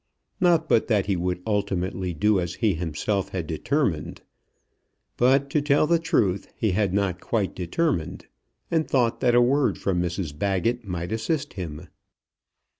Not but that he would ultimately do as he himself had determined; but, to tell the truth, he had not quite determined, and thought that a word from Mrs Baggett might assist him.